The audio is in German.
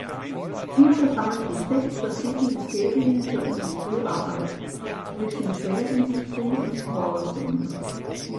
Hier versammeln sich sechs verschiedene Serien zur Industriearbeit, zwischen Schwerindustrie und Call-Center.